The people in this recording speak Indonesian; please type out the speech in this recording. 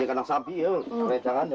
di kanak sampi ya kerecangan juga